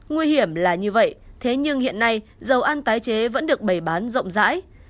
nguy hiểm là như vậy thế nhưng hiện nay dầu ăn tái chế vẫn được bày bán rộng rãi